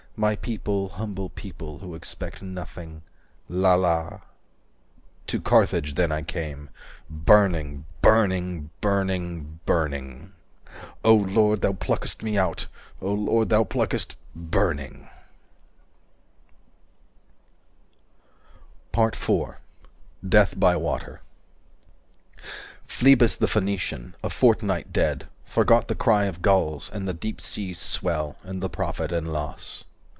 My people humble people who expect Nothing." 305 la la To Carthage then I came Burning burning burning burning O Lord Thou pluckest me out O Lord Thou pluckest 310 burning IV. DEATH BY WATER Phlebas the Phoenician, a fortnight dead, Forgot the cry of gulls, and the deep seas swell And the profit and loss.